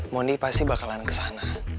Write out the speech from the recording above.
mondi pasti bakalan kesana